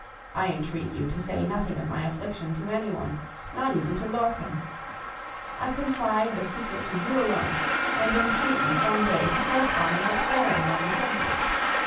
I entreat you to say nothing of my affliction to any one, not even to Lorchen [see Nos. 4 and 5]. I confide the secret to you alone, and entreat you some day to correspond with Vering on the subject.